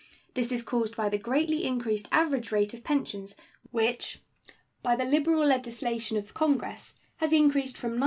This is caused by the greatly increased average rate of pensions, which, by the liberal legislation of Congress, has increased from $90.